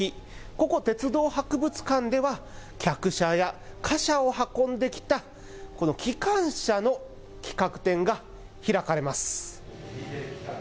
ここ鉄道博物館では客車や貨車を運んできたこの機関車の企画展が開かれます。